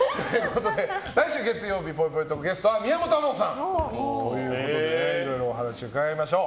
来週月曜日のぽいぽいトークゲストは宮本亞門さんということでいろいろお話伺いましょう。